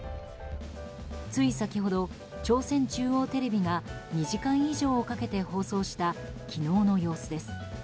つい先ほど、朝鮮中央テレビが２時間以上をかけて放送した昨日の様子です。